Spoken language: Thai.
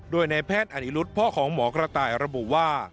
โดยในแพทย์อนิรุธพ่อของหมอกระต่ายระบุว่า